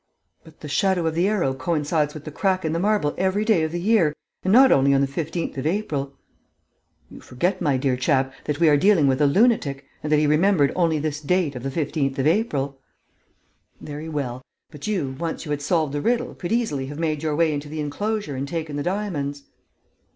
"But the shadow of the arrow coincides with the crack in the marble every day of the year and not only on the 15th of April." "You forget, my dear chap, that we are dealing with a lunatic and that he remembered only this date of the 15th of April." "Very well; but you, once you had solved the riddle, could easily have made your way into the enclosure and taken the diamonds."